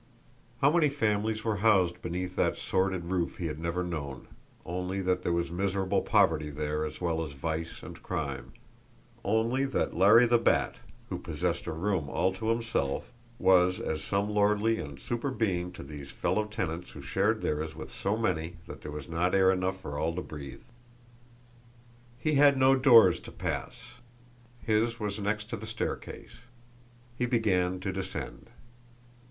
How many families were housed beneath that sordid roof he had never known, only that there was miserable poverty there as well as vice and crime, only that Larry the Bat, who possessed a room all to himself, was as some lordly and super being to these fellow tenants who shared theirs with so many that there was not air enough for all to breathe. He had no doors to pass his was next to the staircase. He began to descend.